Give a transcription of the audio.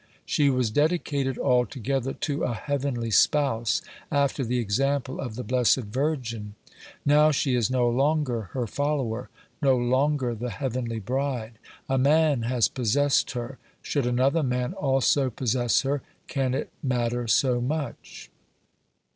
She was dedi cated altogether to a heavenly spouse, after the example of the Blessed Virgin. Now she is no longer her follower, no longer the heavenly bride ; a man has possessed her ; should another man also possess her, can it matter so much.?